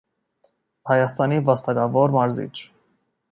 Հայաստանի վաստակավոր մարզիչ։